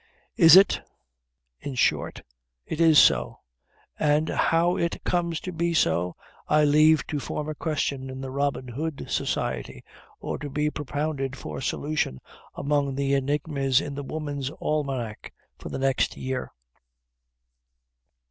Is it ? in short, it is so; and how it comes to be so I leave to form a question in the Robin Hood Society, or to be propounded for solution among the enigmas in the Woman's Almanac for the next year.